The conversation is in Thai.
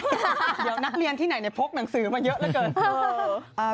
เดี๋ยวนักเรียนที่ไหนพกหนังสือมาเยอะเหลือเกิน